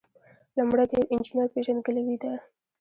لومړی د یو انجینر پیژندګلوي ده.